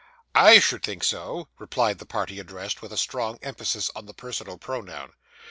'I should think so,' replied the party addressed, with a strong emphasis on the personal pronoun.